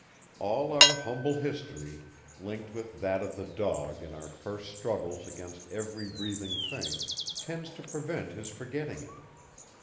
All our humble history, linked with that of the dog in our first struggles against every breathing thing, tends to prevent his forgetting it.